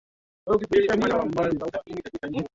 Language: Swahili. ubaguzi na kuepuka watu waliyoambukizwa virusi vya ukimwi